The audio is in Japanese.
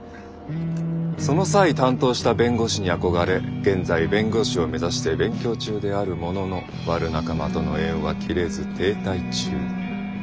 その際担当した弁護士に憧れ現在弁護士を目指して勉強中であるもののワル仲間との縁は切れず停滞中。